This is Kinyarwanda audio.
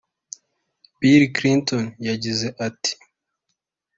Bill Clinton yagize ati